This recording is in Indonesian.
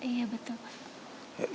iya betul pak